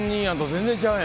全然ちゃうやん。